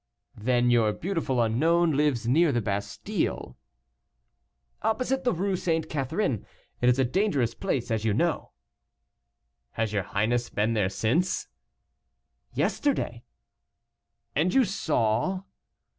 "Then your beautiful unknown lives near the Bastile." "Opposite the Rue St. Catherine. It is a dangerous place, as you know." "Has your highness been there since?" "Yesterday." "And you saw?"